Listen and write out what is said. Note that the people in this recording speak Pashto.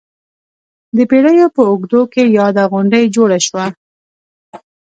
د پېړیو په اوږدو کې یاده غونډۍ جوړه شوه.